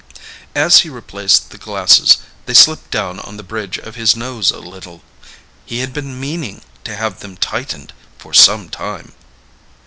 As he replaced the glasses, they slipped down on the bridge of his nose a little. He had been meaning to have them tightened for some time.